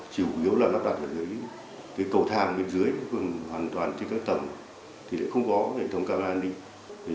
chủ yếu là lắp đặt ở cái cầu thang bên dưới hoàn toàn trên các tầng thì lại không có hệ thống camera an ninh